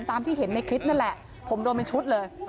ตามที่เห็นในคลิปนั่นแหละผมโดนเป็นชุดเลย